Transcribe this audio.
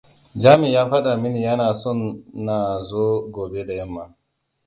Jami ya fada mini yana son na zo gobe da yamma.